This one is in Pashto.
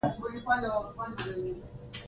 دا عضله د ښویې او مخططې عضلې ځینې ځانګړتیاوې لري.